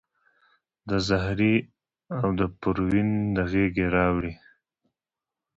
د زهرې او د پروین د غیږي راوړي